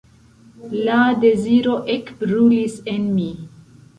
La deziro ekbrulis en mi.